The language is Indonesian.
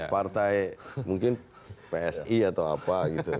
partai mungkin psi atau apa gitu